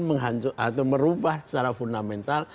merubah secara fundamental